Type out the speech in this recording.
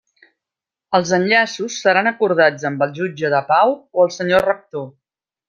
Els enllaços seran acordats amb el jutge de pau o el senyor rector.